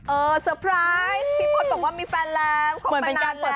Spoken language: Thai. เออสเตอร์ไพรส์พี่พลตบอกว่ามีแฟนแล้ว